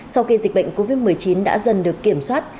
sau khi dịch bệnh covid một mươi chín đã dần được kiểm soát